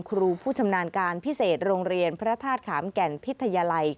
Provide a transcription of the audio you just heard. ครูผู้ชำนาญการพิเศษโรงเรียนพระธาตุขามแก่นพิทยาลัย